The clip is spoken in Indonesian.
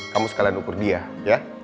kamu sekalian ukur dia ya